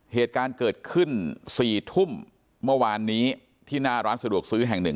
เหตุการณ์เกิดขึ้น๔ทุ่มเมื่อวานนี้ที่หน้าร้านสะดวกซื้อแห่งหนึ่ง